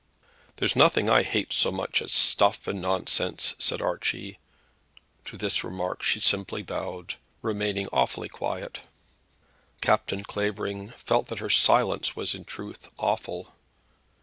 "There's nothing I hate so much as stuff and nonsense," said Archie. To this remark she simply bowed, remaining awfully quiet. Captain Clavering felt that her silence was in truth awful.